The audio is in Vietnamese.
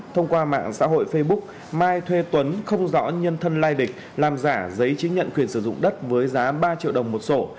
thông qua mạng xã hội facebook mai thuê tuấn không rõ nhân thân lai lịch làm giả giấy chứng nhận quyền sử dụng đất với giá ba triệu đồng một sổ